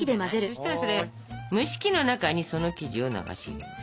そしたらそれ蒸し器の中にその生地を流し入れます。